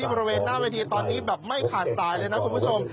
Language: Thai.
บริเวณหน้าเวทีตอนนี้แบบไม่ขาดสายเลยนะคุณผู้ชม